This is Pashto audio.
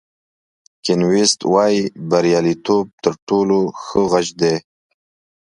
کین ویست وایي بریالیتوب تر ټولو ښه غچ دی.